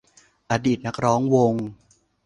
อดีตนักร้องวง